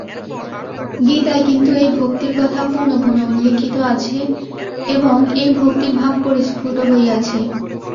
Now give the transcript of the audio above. গীতায় কিন্তু এই ভক্তির কথা পুনঃপুন উল্লিখিত আছে এবং এই ভক্তির ভাব পরিস্ফুট হইয়াছে।